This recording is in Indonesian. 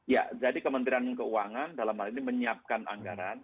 ya jadi kementerian keuangan dalam hal ini menyiapkan anggaran